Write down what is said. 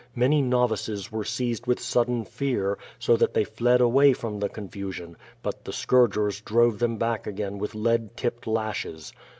Many novices were seized with sudden fear, so that they fled away from the confusion, but the scourge rs drove them back again with lead tipped lashes.